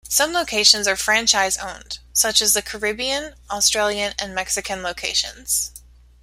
Some locations are franchise owned, such as the Caribbean, Australian, and Mexican locations.